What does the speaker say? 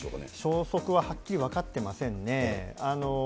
消息ははっきり分かってませんね。